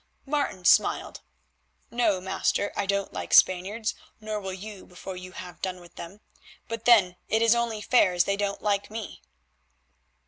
Martin smiled. "No, master, I don't like Spaniards, nor will you before you have done with them. But then it is only fair as they don't like me."